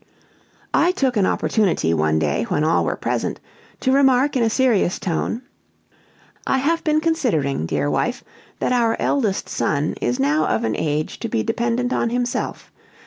I took an opportunity, one day, when all were present, to remark in a serious tone: "I have been considering, dear wife, that our eldest son is now of an age to be dependent on himself.